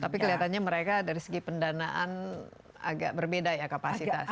tapi kelihatannya mereka dari segi pendanaan agak berbeda ya kapasitasnya